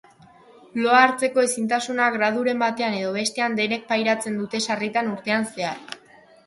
Loa hartzeko ezintasuna graduren batean edo bestean denek pairatzen dute sarritan urtean zehar.